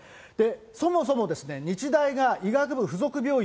そもそも日大が医学部附属病院